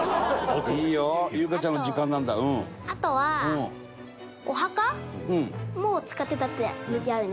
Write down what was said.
あとはお墓も使ってたってＶＴＲに。